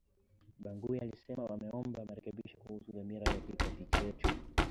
Bangui alisema ameomba marekebisho kuhusu dhamira ya kikosi chetu